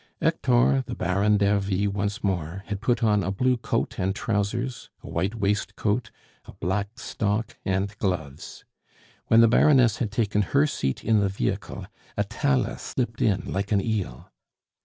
Hector, the Baron d'Ervy once more, had put on a blue coat and trousers, a white waistcoat, a black stock, and gloves. When the Baroness had taken her seat in the vehicle, Atala slipped in like an eel.